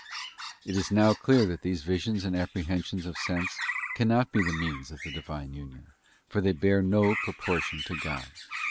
; It is now clear that these visions and apprehensions of __ sense cannot be the means of the Divine union, for they bear no proportion to God.